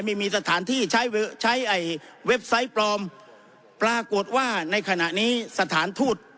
ไม่มีสถานที่ใช้ใช้ไอ้เว็บไซต์ปลอมปรากฏว่าในขณะนี้สถานทูต